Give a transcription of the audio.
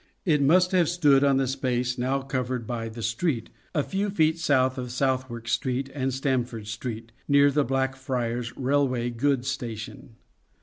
It must have stood on the space now covered by the street a few feet south of Southwark Street and Stamford Street, near the Blackfriars Railway Goods Station.